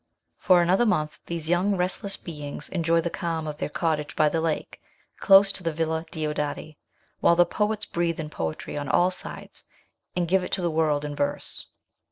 For another month these young restless beings enjoy the calm of their cottage by the lake, close to the Villa Diodati, while the poets breathe in poetry on BIRTH OF A CHILD. 99 all sides, and give it to the world in verse.